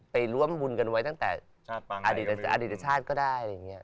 ไปร่วมบุญกันไว้ตั้งแต่อดีตชาติก็ได้